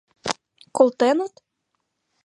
— Колтеныт?